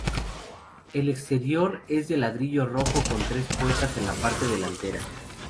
El exterior es de ladrillo rojo con tres puertas en la parte delantera.